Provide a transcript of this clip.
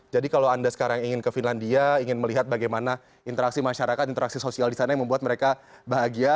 jadi kalau anda sekarang ingin ke finlandia ingin melihat bagaimana interaksi masyarakat interaksi sosial disana yang membuat mereka bahagia